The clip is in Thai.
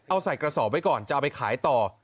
เอาใส่กระสอบไว้ก่อนจะเอาไปขายต่อ